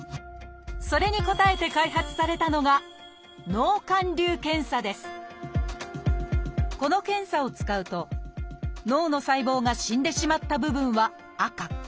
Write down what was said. それに応えて開発されたのがこの検査を使うと脳の細胞が死んでしまった部分は赤。